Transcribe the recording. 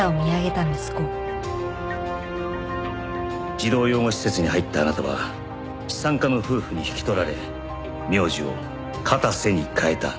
児童養護施設に入ったあなたは資産家の夫婦に引き取られ名字を「片瀬」に変えた。